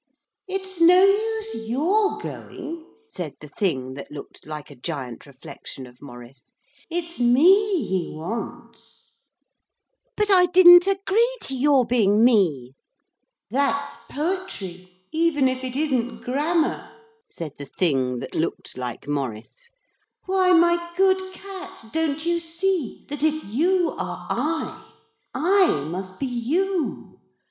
'It's no use your going,' said the thing that looked like a giant reflection of Maurice; 'it's me he wants.' 'But I didn't agree to your being me.' 'That's poetry, even if it isn't grammar,' said the thing that looked like Maurice. 'Why, my good cat, don't you see that if you are I, I must be you?